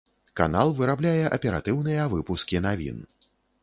Канал вырабляе аператыўныя выпускі навін.